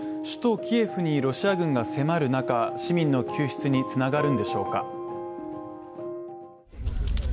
首都キエフにロシア軍が迫る中、市民の救出につながるんでしょうか。